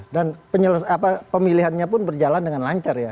dan pemilihannya pun berjalan dengan lancar ya